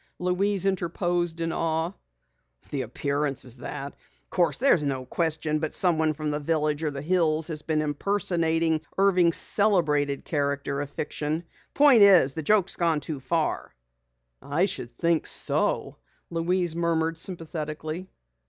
Louise interposed in awe. "The appearance is that. Of course there's no question but someone from the village or the hills has been impersonating Irving's celebrated character of fiction. The point is, the joke's gone too far!" "I should think so," Louise murmured sympathetically.